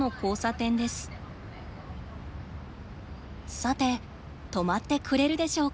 さて止まってくれるでしょうか。